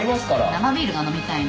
生ビールが飲みたいの。